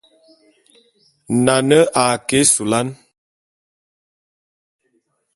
Nane a ke ésulán.